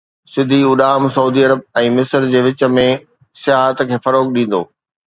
سڌي اڏام سعودي عرب ۽ مصر جي وچ ۾ سياحت کي فروغ ڏيندو